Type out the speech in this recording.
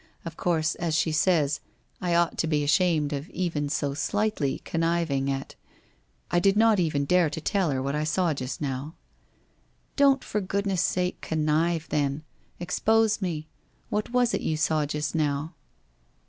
Of course, as she says, I ought to be ashamed of even so slightly, conniving at I did not even dare to tell her what I saw just now ?' 'Don't for goodness sake, connive, then. Expose me. What was it you saw just now?'